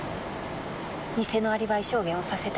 偽のアリバイ証言をさせたから？